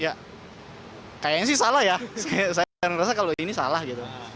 ya kayaknya sih salah ya saya merasa kalau ini salah gitu